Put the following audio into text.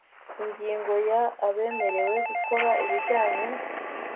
ingingo ya abemerewe gukora ibijyanye